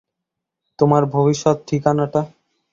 তোমার ভবিষ্যৎ ঠিকানাটা?